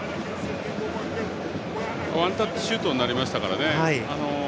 ワンタッチシュートになりましたからね。